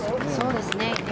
そうですね。